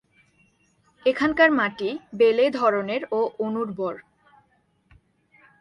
এখানকার মাটি বেলে ধরনের ও অনুর্বর।